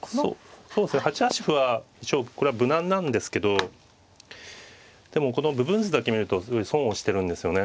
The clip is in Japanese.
そうですね８八歩は一応これは無難なんですけどでもこの部分図だけ見るとすごい損をしてるんですよね。